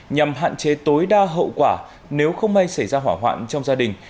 nhằm hạn chế tối đa hậu quả nếu không may xảy ra hỏa hoạn trong gia đình